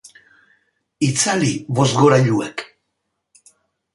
Itzali bozgorailuak.